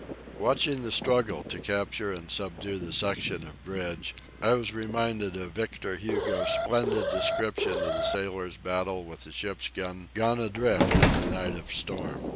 Watching the struggle to capture and subdue the section of bridge, I was reminded of Victor Hugo's splendid description of the sailor's battle with a ship's gun gone adrift in a night of storm.